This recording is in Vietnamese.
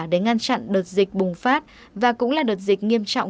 để ngăn chặn đợt dịch bùng phát và cũng là đợt dịch nghiêm trọng